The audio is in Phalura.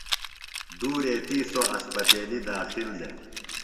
دو ریتیۡ سوۡ اسپتیلیۡ داخل دےۡ۔